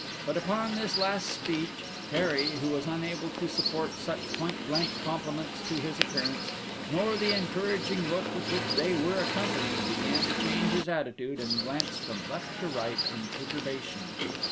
But upon this last speech Harry, who was unable to support such point blank compliments to his appearance, nor the encouraging look with which they were accompanied, began to change his attitude, and glance from left to right in perturbation.